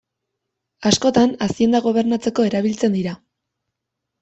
Askotan azienda gobernatzeko erabiltzen dira.